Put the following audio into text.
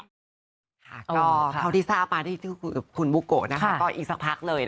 ก็เขาที่ทราบมาที่ชื่อคุณบุโกอีกสักพักเลย